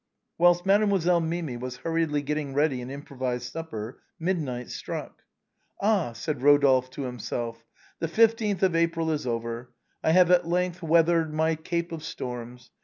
Whilst Mademoiselle Mimi was hurriedly getting ready an improvised supper, midnight struck. " Ah !" said Eodolphe to himself, " the 15th of April is over. I have at length weathered my Cape of Storms.